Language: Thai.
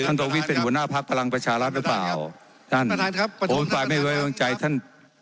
ท่านตรงวิทย์เป็นหัวหน้าภักร์พลังประชารัฐหรือเปล่าท่านผมฝ่ายไม่ไว้วางใจท่าน